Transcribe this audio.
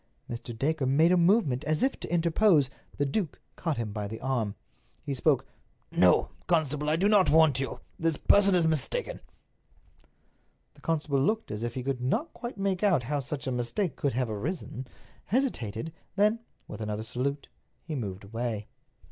Mr. Dacre made a movement as if to interpose. The duke caught him by the arm. He spoke: "No, constable, I do not want you. This person is mistaken." The constable looked as if he could not quite make out how such a mistake could have arisen, hesitated, then, with another salute, he moved away.